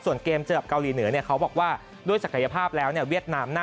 ส่วนเกมเจอกับเกาหลีเหนือเขาบอกว่าด้วยศักยภาพแล้วเวียดนาม